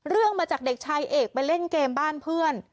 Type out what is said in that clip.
มาจากเด็กชายเอกไปเล่นเกมบ้านเพื่อน